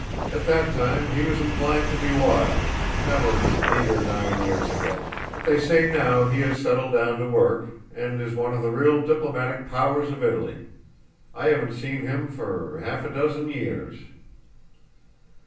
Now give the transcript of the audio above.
At that time he was inclined to be wild that was eight or nine years ago but they say now he has settled down to work, and is one of the real diplomatic powers of Italy. I haven't seen him for a half dozen years."